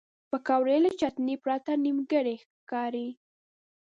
پکورې له چټنې پرته نیمګړې ښکاري